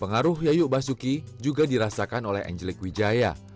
pengaruh yayu basuki juga dirasakan oleh angelik wijaya